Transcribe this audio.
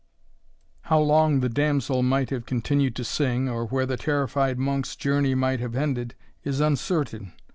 How long the damsel might have continued to sing, or where the terrified monk's journey might have ended, is uncertain.